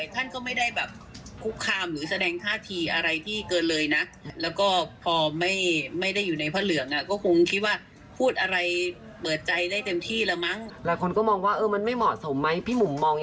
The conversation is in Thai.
พี่บุ๋มมองอย่างไรบ้างคะตรงนี้